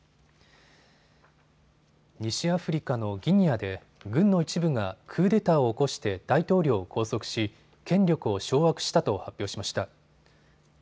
西アフリカのギニアで軍の一部がクーデターを起こして大統領を拘束し権力を掌握したと発表しました。